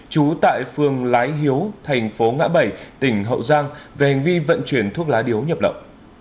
trú tại phường lái hiếu thành phố ngã bảy tỉnh hậu giang về hành vi vận chuyển thuốc lá điếu nhập lậu